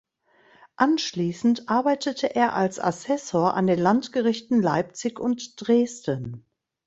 Anschließend arbeitete er als Assessor an den Landgerichten Leipzig und Dresden.